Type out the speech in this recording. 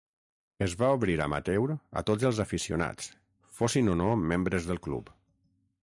Es va obrir Amateur a tots els aficionats, fossin o no membres del club.